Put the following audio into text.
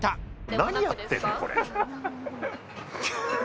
何やってんだ、これ？